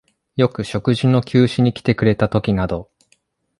よく食事の給仕にきてくれたときなど、